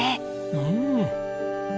うん！